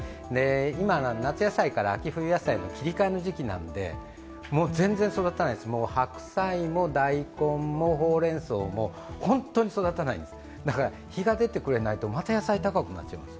今、夏野菜から、秋冬野菜に切り替えの時期なんでもう全然育たないです、白菜も大根もほうれんそうも本当に育たないんです、日が出てくれないと本当に野菜が高くなってしまいます。